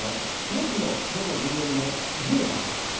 レッズの元ＧＭのジムさんです。